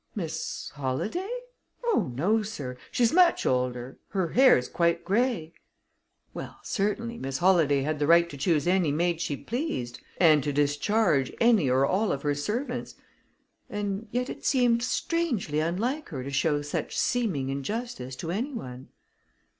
"Miss Holladay? Oh, no, sir. She's much older her hair's quite gray." Well, certainly, Miss Holladay had the right to choose any maid she pleased, and to discharge any or all of her servants; and yet it seemed strangely unlike her to show such seeming injustice to anyone.